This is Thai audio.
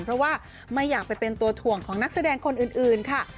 เพราะว่าไม่อยากไปเป็นตัวถ่วงของนักแสดงคนอื่นค่ะ